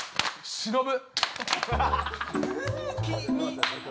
しのぶ？